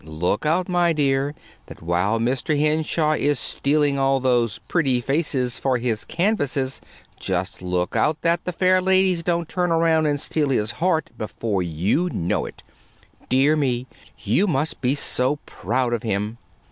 Look out, my dear, that while Mr. Henshaw is stealing all those pretty faces for his canvases just look out that the fair ladies don't turn around and steal his heart before you know it. Dear me, but you must be so proud of him!"